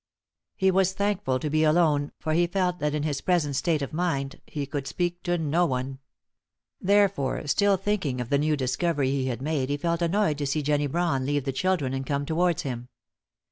He was thankful to be alone, for he felt that in his present state of mind he could speak to no one. Therefore, still thinking of the new discovery he had made he felt annoyed to see Jennie Brawn leave the children and come towards him.